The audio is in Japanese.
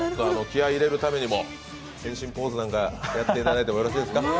気合い入れるためにも、変身ポーズなんかやっていただいていいですか？